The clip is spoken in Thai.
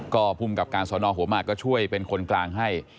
ก็ภูมิกับการสอนอหัวหมากก็ช่วยเป็นคนกลางให้